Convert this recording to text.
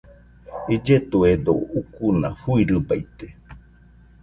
Illetuedo ucuna fɨirɨbaite.